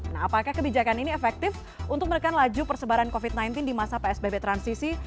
nah apakah kebijakan ini efektif untuk menekan laju persebaran covid sembilan belas di masa psbb transisi